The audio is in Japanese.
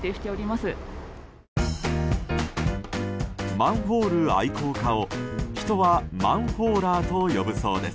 マンホール愛好家を人は、マンホーラーと呼ぶそうです。